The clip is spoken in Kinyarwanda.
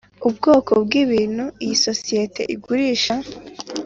Ubwoko bw ibintu iyi sosiyete igurisha